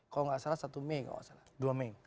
kalau gak salah satu mei